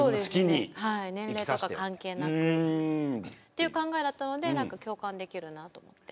そうですね、年齢とか関係なく。っていう考えだったのでなんか共感できるなと思って。